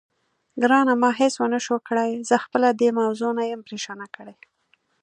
ګرانه، ما هېڅ ونه شوای کړای، زه خپله دې موضوع نه یم پرېشانه کړې.